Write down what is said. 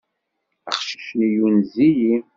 Aqcic-nni yunez-iyi.